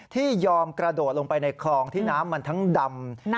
ที่ยอมกระโดดลงไปในคลองที่น้ำมันทั้งดำ